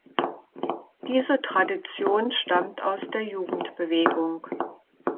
Diese Tradition stammt aus der Jugendbewegung.